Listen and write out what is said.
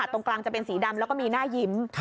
ตรงกลางจะเป็นสีดำแล้วก็มีหน้ายิ้ม